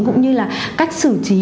cũng như là cách xử trí